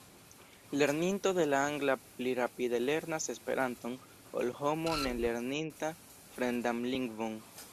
Lerninto de la angla pli rapide lernas Esperanton ol homo ne lerninta fremdan lingvon.